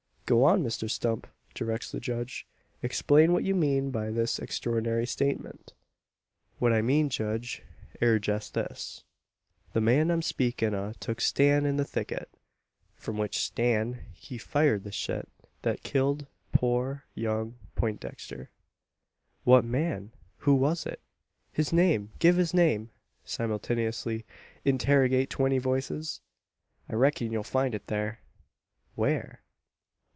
"Go on, Mr Stump!" directs the judge. "Explain what you mean by this extraordinary statement." "What I mean, judge, air jest this. The man I'm speakin' o' tuk stan' in the thicket, from which stan' he fired the shet thet killed poor young Peintdexter." "What man? Who was it? His name! Give his name!" simultaneously interrogate twenty voices. "I reckon yu'll find it thar." "Where?"